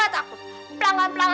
itu pada kab creation